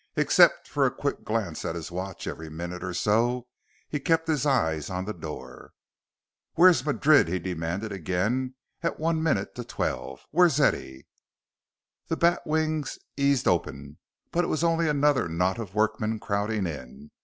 Except for a quick glance at his watch every minute or so, he kept his eyes on the door. "Where's Madrid?" he demanded again at one minute to twelve. "Where's Eddie?" The batwings eased open, but it was only another knot of workmen crowding in.